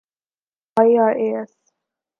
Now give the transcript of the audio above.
IRAS